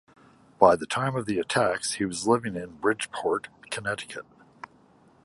By the time of the attacks, he was living in Bridgeport, Connecticut.